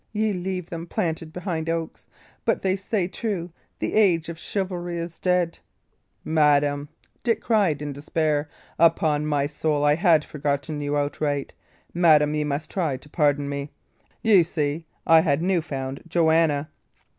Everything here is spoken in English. "Ye leave them planted behind oaks. But they say true the age of chivalry is dead." "Madam," cried Dick, in despair, "upon my soul I had forgotten you outright. Madam, ye must try to pardon me. Ye see, I had new found Joanna!"